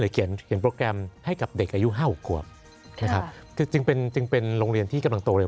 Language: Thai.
หรือเขียนโปรแกรมให้กับเด็กอายุ๕๖กว่าจึงเป็นโรงเรียนที่กำลังโตมาก